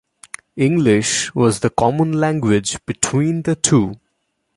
English was the common language between the two.